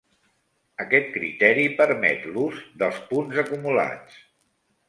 Aquest criteri permet l'ús dels punts acumulats.